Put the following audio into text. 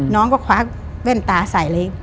น้องก็คว้าแว่นตาใส่เลย